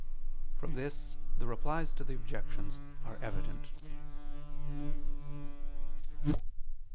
From this the replies to the objections are evident.